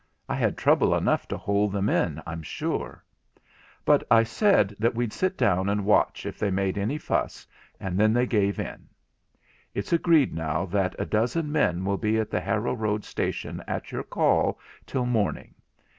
I had trouble enough to hold them in, I'm sure. But I said that we'd sit down and watch if they made any fuss, and then they gave in. It's agreed now that a dozen men will be at the Harrow Road station at your call till morning.